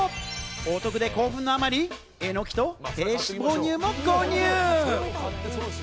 お得で興奮のあまり、えのきと低脂肪乳も購入！